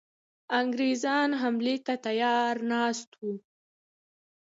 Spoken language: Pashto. انګرېزان حملې ته تیار ناست وه.